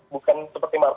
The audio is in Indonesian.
bukan seperti marvel